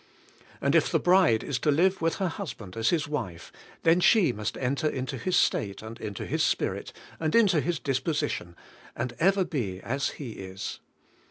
And if the Bride is to live with her husband as His wife, then she must enter into His state, and into His spirit, and into His dispo sition, and ever be as He is.